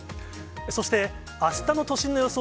そして、あしたの都心の予想